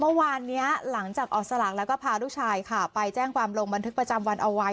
เมื่อวานนี้หลังจากออกสลากแล้วก็พาลูกชายค่ะไปแจ้งความลงบันทึกประจำวันเอาไว้